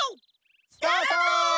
スタート！